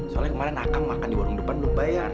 soalnya kemarin akang makan di warung depan belum bayar